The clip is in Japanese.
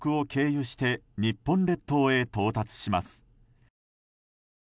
偏西風で運ばれ、中国を経由して日本列島へ到達します。